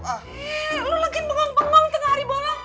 eh lo lagi bengong bengong tengah hari bolong